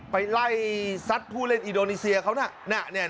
ไปไล่ซัดผู้เล่นอินโดนีเซียเขาน่ะ